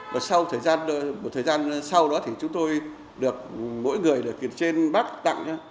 và sau thời gian một thời gian sau đó thì chúng tôi được mỗi người trên bác tặng